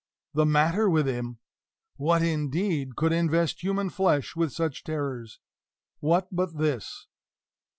The matter with him? What, indeed, could invest human flesh with such terrors what but this?